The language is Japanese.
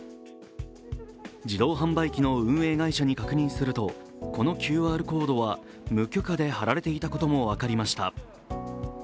自動販売機の運営会社に確認すると、このＱＲコードは無許可で貼られていたことも分かりました。